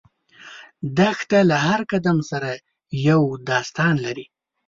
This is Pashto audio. دښته له هر قدم سره یو داستان لري.